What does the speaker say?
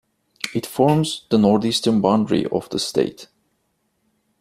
It forms the northeastern boundary of the state.